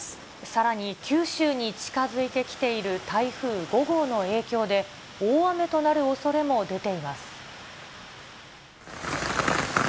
さらに九州に近づいてきている台風５号の影響で、大雨となるおそれも出ています。